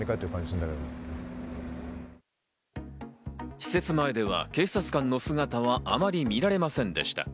施設前では警察官の姿はあまり見られませんでした。